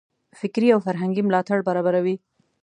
فکري او فرهنګي ملاتړ برابروي.